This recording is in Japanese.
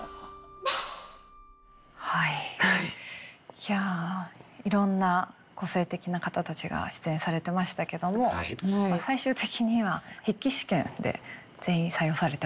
いやいろんな個性的な方たちが出演されてましたけども最終的には筆記試験で全員採用されてましたね。